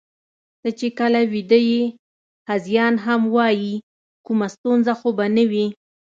ته چې کله ویده یې، هذیان هم وایې، کومه ستونزه خو به نه وي؟